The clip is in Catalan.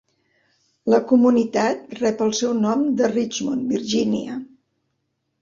La comunitat rep el seu nom de Richmond, Virgínia.